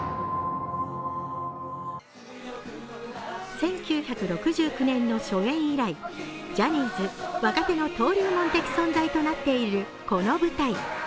１９６９年初演以来、ジャニーズ若手の登竜門的存在となっているこの舞台。